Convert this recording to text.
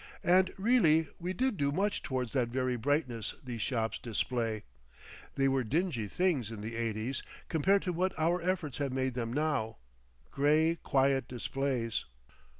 And really we did do much towards that very brightness these shops display. They were dingy things in the eighties compared to what our efforts have made them now, grey quiet displays.